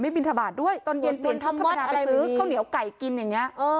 บินทบาทด้วยตอนเย็นเปลี่ยนช่องธรรมดาไปซื้อข้าวเหนียวไก่กินอย่างนี้